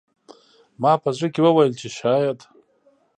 ما په زړه کې وویل چې شاید